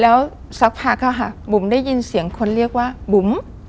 แล้วสักพักค่ะบุ๋มได้ยินเสียงคนเรียกว่าบุ๋ม